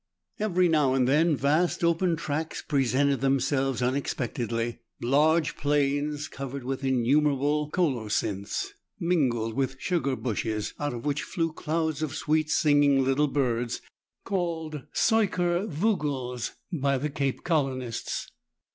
Every now and then vast open tracks presented themselves unexpectedly, large plains, covered with innumerable colocynths, mingled with "sugar bushes, out of which flew clouds of sweet singing little birds, called " suiker vogels " by the Cape colonists.